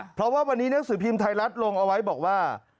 เพราะว่าวันนี้หนังสือพิมพ์ไทยรัฐลงเอาไว้บอกว่า